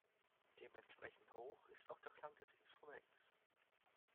Dementsprechend hoch ist auch der Klang des Instruments.